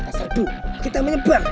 kita satu kita menyebar